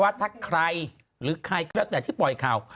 ว่าถ้าใครหรือใครหรือปล่อยข่าว